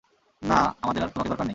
না, আমাদের আর তোমাকে দরকার নেই।